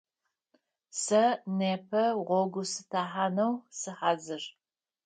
Сэ непэ гъогу сытехьанэу сыхьазыр.